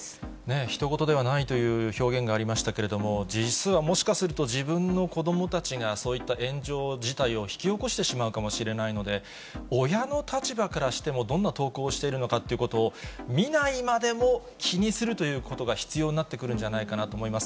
ひと事ではないという表現がありましたけれども、実はもしかすると、自分の子どもたちがそういった炎上事態を引き起こしてしまうかもしれないので、親の立場からしても、どんな投稿しているのかっていうことを、見ないまでも、気にするということが必要になってくるんじゃないかなと思います。